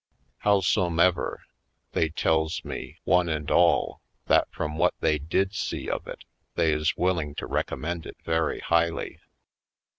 Howsomever, they tells me, one and all, that from what they did see of it they is willing to recommend it very highly.